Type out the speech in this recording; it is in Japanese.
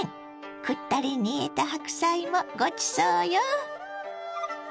くったり煮えた白菜もごちそうよ。